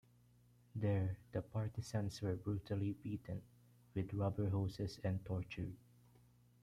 There, the partisans were brutally beaten with rubber hoses and tortured.